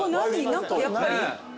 何かやっぱり。